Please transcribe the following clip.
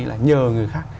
là nhờ người khác